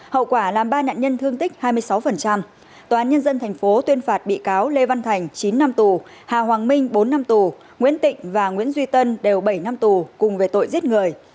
hậu quả làm ba nạn nhân thương tích hai mươi sáu tòa án nhân dân tp tuyên phạt bị cáo lê văn thành chín năm tù hà hoàng minh bốn năm tù nguyễn tịnh và nguyễn duy tân đều bảy năm tù cùng về tội giết người